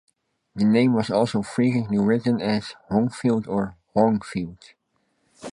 The name was also frequently written as "Hongfield" or "Honghfield".